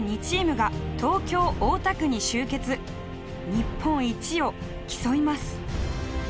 日本一を競います。